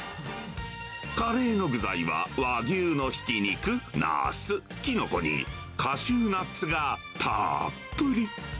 カレーの具材は和牛のひき肉、なす、きのこにカシューナッツがたっぷり。